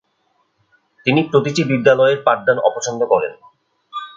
তিনি প্রতিটি বিদ্যালয়ের পাঠদান অপছন্দ করেন।